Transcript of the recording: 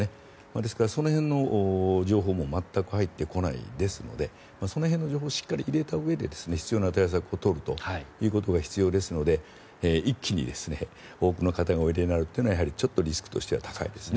ですからその辺の情報も全く入ってこないですのでその辺の情報をしっかり入れたうえで必要な対策を取るということが必要ですので一気に多くの方がおいでになるというのはやはりちょっとリスクとしては高いですね。